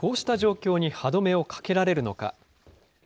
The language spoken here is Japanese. こうした状況に歯止めをかけられるのか。